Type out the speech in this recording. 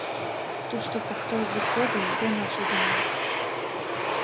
Тушто кок тылзе годым гына шогенам.